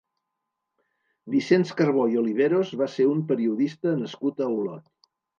Vicenç Carbó i Oliveros va ser un periodista nascut a Olot.